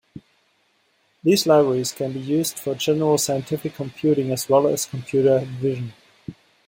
These libraries can be used for general scientific computing as well as computer vision.